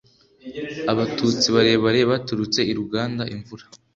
Abatutsi barebare baturutse i Ruganda-Imvura.